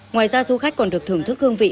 ngoài ra du khách còn được thưởng thức hương vị